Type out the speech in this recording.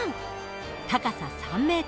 高さ３ｍ。